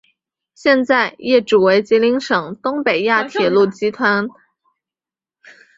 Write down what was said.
现在业主为吉林省东北亚铁路集团股份有限公司珲春分公司。